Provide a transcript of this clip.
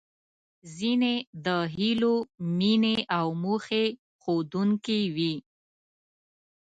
ځينې د هیلو، مينې او موخې ښودونکې وې.